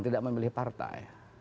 tidak memilih partai